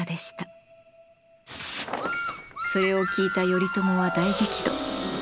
それを聞いた頼朝は大激怒。